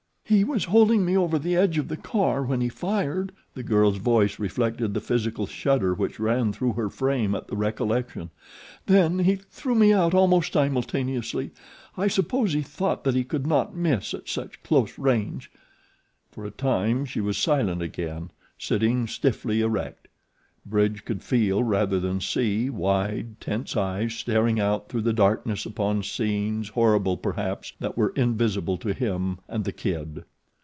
"He was holding me over the edge of the car when he fired." The girl's voice reflected the physical shudder which ran through her frame at the recollection. "Then he threw me out almost simultaneously. I suppose he thought that he could not miss at such close range." For a time she was silent again, sitting stiffly erect. Bridge could feel rather than see wide, tense eyes staring out through the darkness upon scenes, horrible perhaps, that were invisible to him and the Kid.